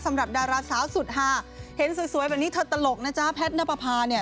สำหรับดาราสาวสุดฮาเห็นสวยแบบนี้เธอตลกนะจ๊ะแพทย์นับประพาเนี่ย